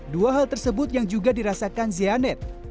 dua hal tersebut yang juga dirasakan zianet